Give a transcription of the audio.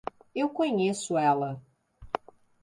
Eu conheço ela